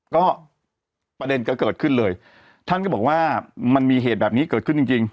ก็ประเด็นก็เกิดขึ้นเลยท่านก็บอกว่ามันมีเหตุแบบนี้เกิดขึ้นจริงจริง